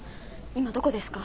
今どこですか？